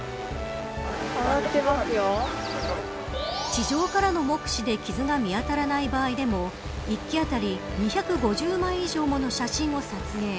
地上からの目視で傷が見当たらない場合でも１基あたり２５０枚以上もの写真を撮影。